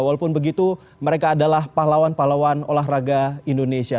walaupun begitu mereka adalah pahlawan pahlawan olahraga indonesia